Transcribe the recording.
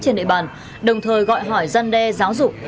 trên địa bàn đồng thời gọi hỏi dân đe giáo dục